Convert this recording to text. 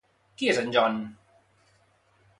Qui és en John?